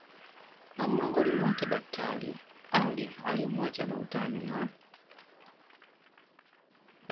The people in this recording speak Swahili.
na mlangoni kwake Daktari Ali alimwacha na utani na